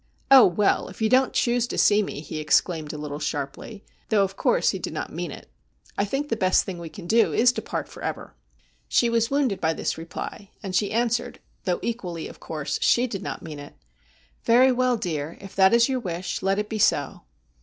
' Oh, well, if you don't choose to see me,' he exclaimed a little sharply, though, of course, he did not mean it, ' I think the best thing we can do is to part for ever.' She was wounded by this reply, and she answered, though equally, of course, she did not mean it :' Very well, dear, if that is your wish, let it be so.'